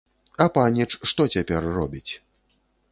А паніч што цяпер робіць?